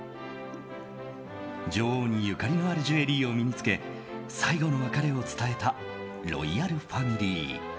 女王にゆかりのあるジュエリーを身に着け最後の別れを伝えたロイヤルファミリー。